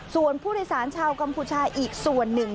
ส่วนผู้โดยสารชาวกัมพูชาอีกส่วนหนึ่ง